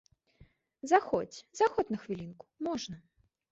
Заходзь, заходзь на хвілінку, можна.